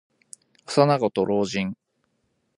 幼子と老人。